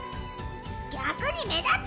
逆に目立つ！